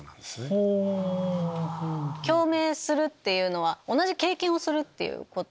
共鳴するっていうのは同じ経験をするっていうこと。